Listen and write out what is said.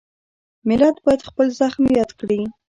ملت باید خپل زخم یاد کړي.